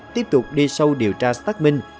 tiếp tục đi sâu điều tra xác minh